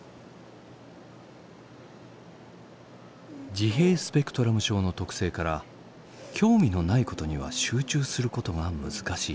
自閉スペクトラム症の特性から興味のないことには集中することが難しい。